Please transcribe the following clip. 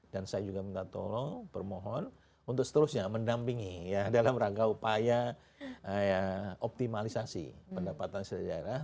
dan saya juga minta tolong permohon untuk seterusnya mendampingi ya dalam rangka upaya optimalisasi pendapatan pusat daerah